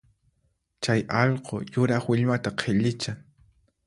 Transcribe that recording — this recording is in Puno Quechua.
Chay allqu yuraq willmata qhillichan